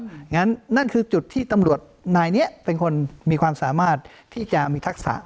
อย่างนั้นนั่นคือจุดที่ตำรวจนายนี้เป็นคนมีความสามารถที่จะมีทักษะ